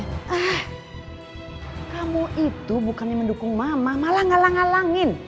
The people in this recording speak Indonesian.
eh kamu itu bukannya mendukung mamah malah ngalang ngalangin